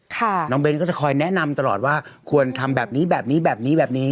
ค่ะน้องเบนก็ก็จะแน่นำตลอดว่าควรทำแบบนี้แบบนี้แบบนี้แบบนี้